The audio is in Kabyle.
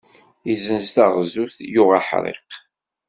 Izzenz taɣzut yuɣ aḥṛiq.